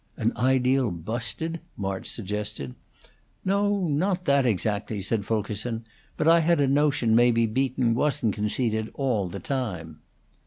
"An ideal 'busted'?" March suggested. "No, not that, exactly," said Fulkerson. "But I had a notion maybe Beaton wasn't conceited all the time."